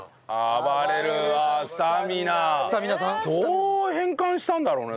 どう変換したんだろうね？